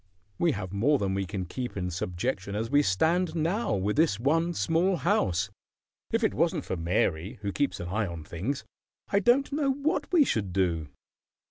We have more than we can keep in subjection as we stand now, with this one small house. If it wasn't for Mary, who keeps an eye on things, I don't know what we should do."